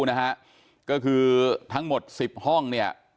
บอกเมื่อสักครู่นะฮะก็คือทั้งหมดสิบห้องเนี่ย